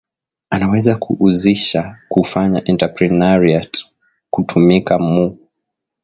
anaweza ku uzisha ku fanya entreprenariat ku tumika mu